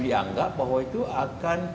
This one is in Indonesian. dianggap bahwa itu akan